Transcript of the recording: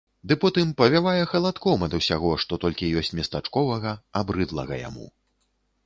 Ды потым павявае халадком ад усяго, што толькі ёсць местачковага, абрыдлага яму.